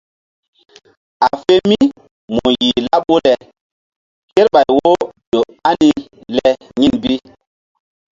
A fe mí mu yih laɓu le kerɓay wo ƴo ani le yin bi.